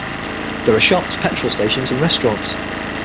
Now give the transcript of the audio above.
There are shops, petrol stations and restaurants.